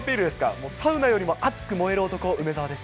もうサウナよりも熱く燃える男、梅澤です。